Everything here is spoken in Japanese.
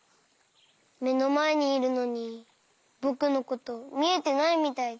めのまえにいるのにぼくのことみえてないみたいで。